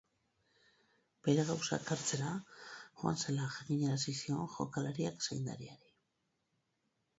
Bere gauzak hartzera joan zela jakinarazi zion jokalariak zaindariari.